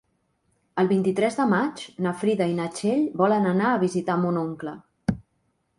El vint-i-tres de maig na Frida i na Txell volen anar a visitar mon oncle.